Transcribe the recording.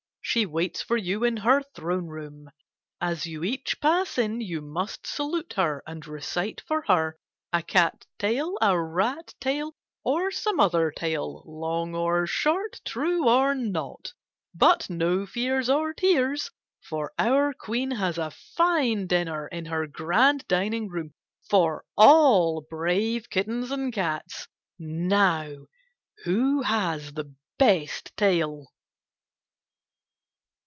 She waits for you in her throne room. As you each pass in you must salute her and recite for her a cat tale, a rat tale, or some other tale, long or short, true or not. . But no fears or tears, for our Queen has a fine dinner in her grand dining room for all brave kittens and cats. Now who has the best tale